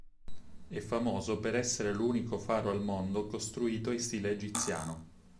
È famoso per essere l'unico faro al mondo costruito in stile egiziano.